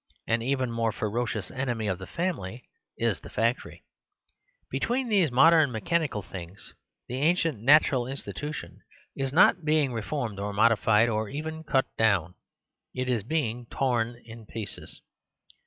An even more ferocious enemy of the family is the factory. Between these modern me 78 The Superstition of Divorce chanical things the ancient natural institution is not being reformed or modified or even cut down; it is being torn in pieces.